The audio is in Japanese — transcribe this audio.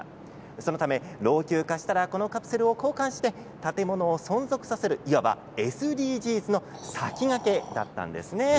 そのため老朽化したらこのカプセルを交換して建物を存続させるいわばＳＤＧｓの先駆けだったんです。